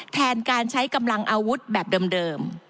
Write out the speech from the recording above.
แทนการใช้กำลังอาวุธแบบเดิม